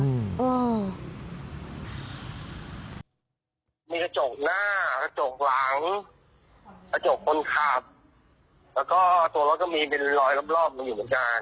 มีกระจกหน้ากระจกหลัง